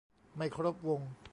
ไม่ครบวง